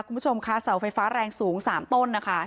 คุณผู้ชมค่ะเสาไฟฟ้าแรงสูง๓ต้นนะคะ